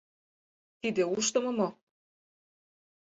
Тиде ушдымо мо?